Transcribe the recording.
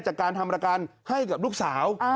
จากการทำรายการให้กับลูกสาว